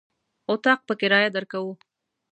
اطاق په کرايه درکوو.